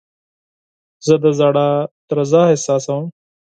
زه د زړه درزا احساسوم.